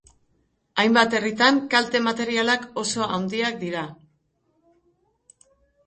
Hainbat herritan, kalte materialak oso handiak dira.